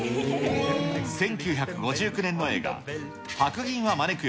１９５９年の映画、白銀は招くよ！